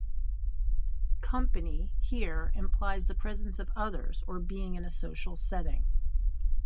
"Company" here implies the presence of others or being in a social setting.